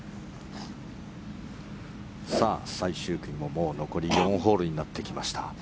最終組も残り４ホールになってきました。